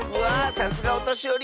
さすがおとしより